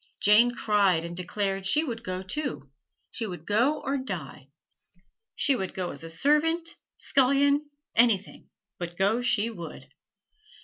Jane cried and declared she would go, too she would go or die: she would go as servant, scullion anything, but go she would.